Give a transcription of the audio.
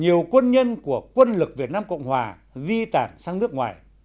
nhiều quân nhân của quân lực việt nam cộng hòa di tản sang nước ngoài